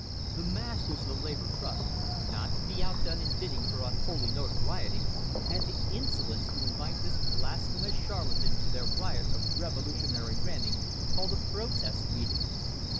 The masters of the Labor Trust, not to be outdone in bidding for unholy notoriety, had the insolence to invite this blasphemous charlatan to their riot of revolutionary ranting called a 'protest meeting.'